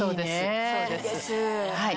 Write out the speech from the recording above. そうです。